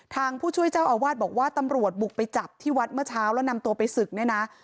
ผู้ช่วยเจ้าอาวาสบอกว่าตำรวจบุกไปจับที่วัดเมื่อเช้าแล้วนำตัวไปศึกเนี่ยนะ